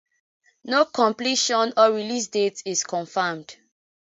No completion or release date is confirmed.